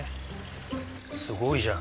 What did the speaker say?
すごいじゃん。